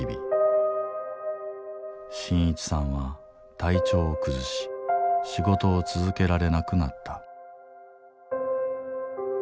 伸一さんは体調を崩し仕事を続けられなくなった。